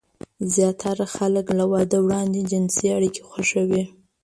زياتره خلک له واده وړاندې جنسي اړيکې خوښوي.